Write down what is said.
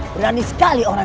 berani sekali orang